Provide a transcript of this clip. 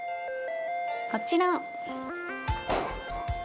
こちら！